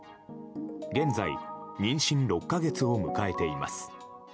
現在、妊娠６か月を迎えています。